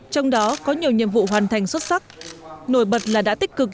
trong đó có nhiều nhiệm vụ hoàn thành xuất sắc nổi bật là đã tích cực